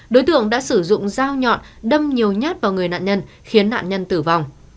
đối tượng đã sử dụng dao nhọn đâm nhiều nhát vào người nạn nhân khiến nạn nhân tử vong